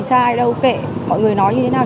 xài đâu kệ mọi người nói như thế nào